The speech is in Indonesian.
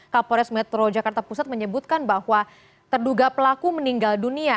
kapolres metro jakarta pusat menyebutkan bahwa terduga pelaku meninggal dunia